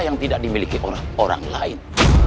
yang tidak dimiliki orang lain